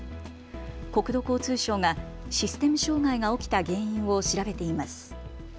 国土交通省がシステム障害が起きた原因を調べています。